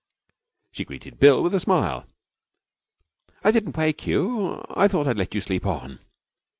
She greeted Bill with a smile. 'I didn't wake you. I thought I would let you sleep on.'